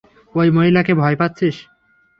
ওই মহিলাকে ভয় পাচ্ছিস?